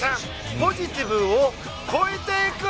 ポジティブを超えていく！